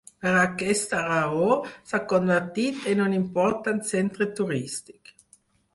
Per aquesta raó, s'ha convertit en un important centre turístic.